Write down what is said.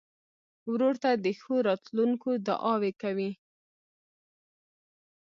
ورور ته د ښو راتلونکو دعاوې کوې.